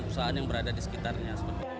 pada saat yang berada di sekitarnya